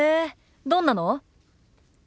どんなの？